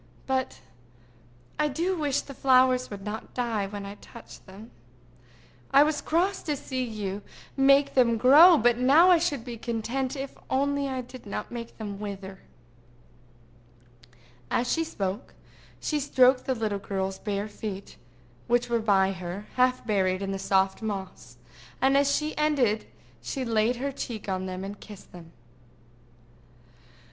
"But I do wish the flowers would not die when I touch them. I was cross to see you make them grow, but now I should be content if only I did not make them wither." As she spoke, she stroked the little girl's bare feet, which were by her, half buried in the soft moss, and as she ended she laid her cheek on them and kissed them.